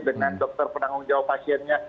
dengan dokter penanggung jawab pasiennya